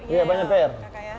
iya banyak pr